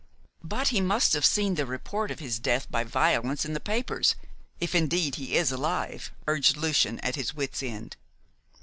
"But he must have seen the report of his death by violence in the papers, if indeed he is alive," urged Lucian, at his wit's end.